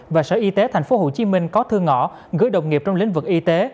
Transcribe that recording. và sở y tế tp hcm có thư ngõ gửi đồng nghiệp trong lĩnh vực y tế